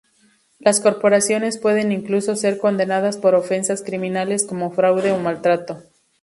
Las corporaciones pueden incluso ser condenadas por ofensas criminales como fraude o maltrato.